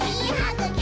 「ぐき！」